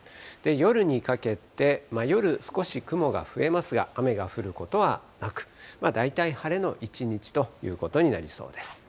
夜にかけて、夜少し雲が増えますが、雨が降ることはなく、大体晴れの一日ということになりそうです。